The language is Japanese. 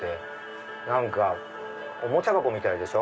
何かおもちゃ箱みたいでしょ。